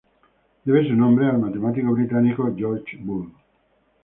Debe su nombre al matemático británico George Boole.